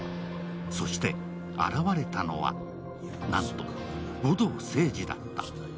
そして、現れたのはなんと護道清二だった。